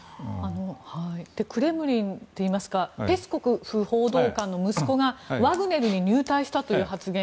クレムリンといいますかペスコフ報道官の息子がワグネルに入隊したという発言